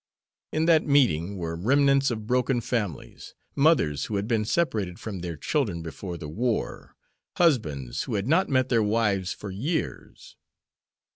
In that meeting were remnants of broken families mothers who had been separated from their children before the war, husbands who had not met their wives for years.